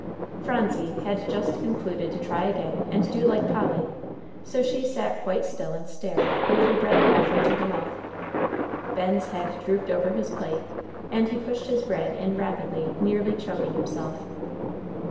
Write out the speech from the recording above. Phronsie had just concluded to try again and do like Polly, so she sat quite still and stared, with her bread halfway to her mouth. Ben's head drooped over his plate, and he pushed his bread in rapidly, nearly choking himself.